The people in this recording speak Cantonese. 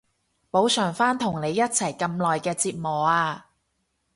補償返同你一齊咁耐嘅折磨啊